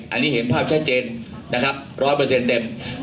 อันนี้เห็นภาพชัดเจน๑๐๐เต็ม